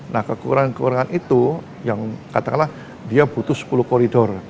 nah kekurangan kekurangan itu yang katakanlah dia butuh sepuluh koridor